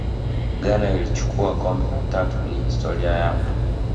ghana ilichukua kombe la tatu kwenye historia yao